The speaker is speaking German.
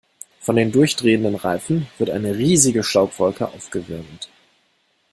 Von den durchdrehenden Reifen wird eine riesige Staubwolke aufgewirbelt.